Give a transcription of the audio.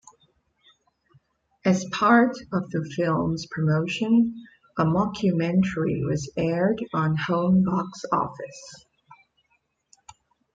As part of the film's promotion, a mockumentary was aired on Home Box Office.